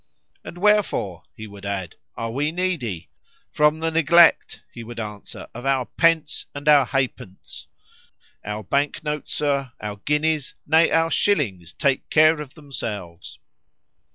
——And wherefore, he would add, are we needy?—From the neglect, he would answer, of our pence and our halfpence:—Our bank notes, Sir, our guineas,—nay our shillings take care of themselves.